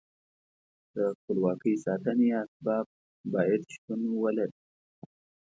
د خپلواکۍ ساتنې اسباب باید شتون ولري.